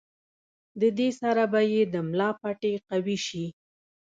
د دې سره به ئې د ملا پټې قوي شي